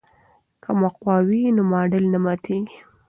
که مقوا وي نو ماډل نه ماتیږي.